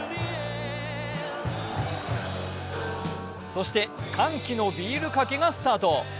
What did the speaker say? そして、歓喜のビールかけがスタート。